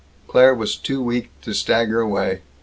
Claire was too weak to stagger away.